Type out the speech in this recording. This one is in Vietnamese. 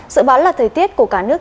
sự bảo là thời tiết của cả nước